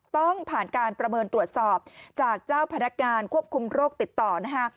ต้องผ่านการประเมินตรวจสอบจากเจ้าพนักงานควบคุมโรคติดต่อนะคะ